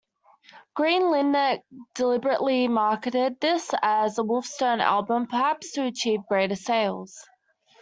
Green Linnet deliberately marketed this as a Wolfstone album, perhaps to achieve greater sales.